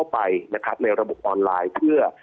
กลับเข้าไปในระบบออนไลน์